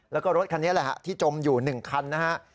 แล้วก็รถคันนี้แหละฮะที่จมอยู่๑คันนะฮะ